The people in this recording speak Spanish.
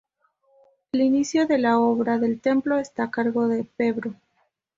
El inicio de la obra del templo está a cargo del Pbro.